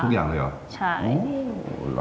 ทุกอย่างเลยหรอ